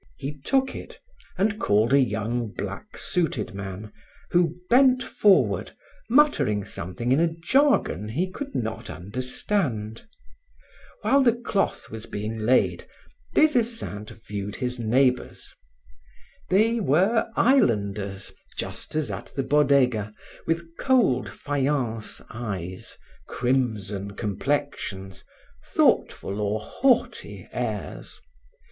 He took it and called a young black suited man who bent forward, muttering something in a jargon he could not understand. While the cloth was being laid, Des Esseintes viewed his neighbors. They were islanders, just as at the Bodega, with cold faience eyes, crimson complexions, thoughtful or haughty airs.